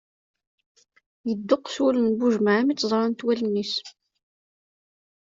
Ydduqes wul n Buǧemεa mi tt-ẓrant wallen-is.